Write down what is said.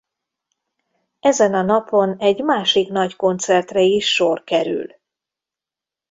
Ezen a napon egy másik nagy koncertre is sor kerül.